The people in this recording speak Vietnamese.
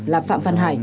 là phạm văn hải